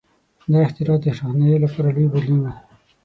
• دا اختراع د روښنایۍ لپاره لوی بدلون و.